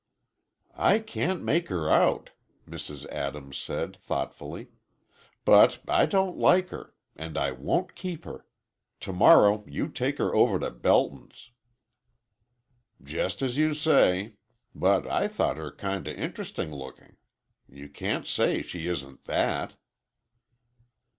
"I can't make her out," Mrs. Adams said, thoughtfully. "But I don't like her. And I won't keep her. Tomorrow, you take her over to Belton's." "Just as you say. But I thought her kinda interesting looking. You can't say she isn't that."